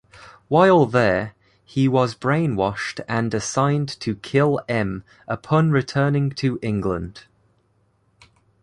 While there, he was brainwashed and assigned to kill M upon returning to England.